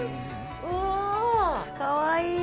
うわぁかわいい。